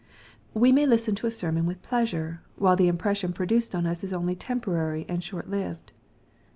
We may listen to a sermon with pleasure, while the impression produced on us is only temporary and short lived.